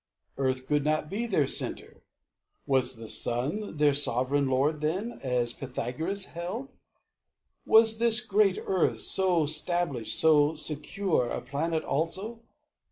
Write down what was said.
Earth could not be their centre. Was the sun Their sovran lord then, as Pythagoras held? Was this great earth, so 'stablished, so secure, A planet also?